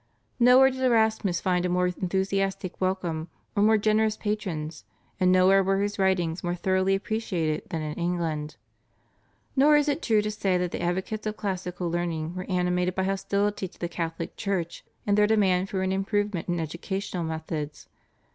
Nowhere did Erasmus find a more enthusiastic welcome or more generous patrons and nowhere were his writings more thoroughly appreciated than in England. Nor is it true to say that the advocates of classical learning were animated by hostility to the Catholic Church in their demand for an improvement in educational methods.